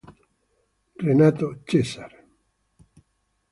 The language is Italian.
Renato César